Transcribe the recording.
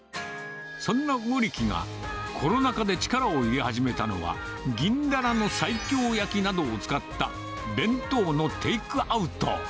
そんな魚力が、コロナ禍で力を入れ始めたのは、銀ダラの西京焼きなどを使った、弁当のテイクアウト。